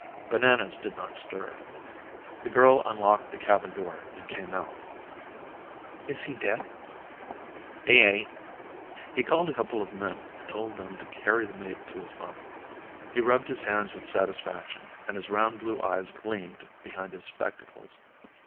Bananas did not stir. The girl unlocked the cabin door and came out. "Is he dead?" "He ain't." He called a couple of men and told them to carry the mate to his bunk. He rubbed his hands with satisfaction and his round blue eyes gleamed behind his spectacles.